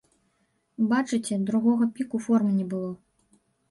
Бачыце, другога піку формы не было.